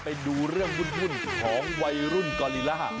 ไปดูเรื่องวุ่นของวัยรุ่นกอลิล่า